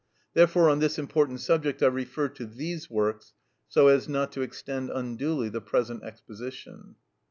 Therefore on this important subject I refer to these works, so as not to extend unduly the present exposition.